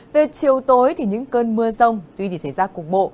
về chiều tối những cơn mưa rông tuy xảy ra cuộc bộ